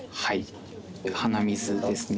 鼻水ですね。